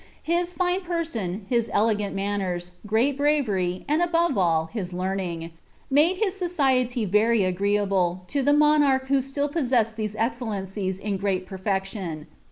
His line penon, hii elegant manners, great bravery, and, above all, his learning, made bii society very agreeable to the nionnrch who still possessetl these eied lencics in great perfection.'